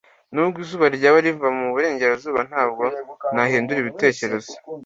Nubwo izuba ryaba riva mu burengerazuba, ntabwo nahindura ibitekerezo.